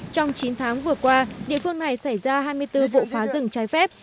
trong chín tháng vừa qua địa phương này xảy ra hai mươi bốn vụ phá rừng trái phép